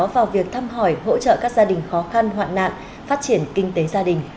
vào việc thăm hỏi hỗ trợ các gia đình khó khăn hoạn nạn phát triển kinh tế gia đình